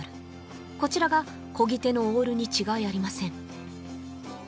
こちらが漕ぎ手のオールに違いありません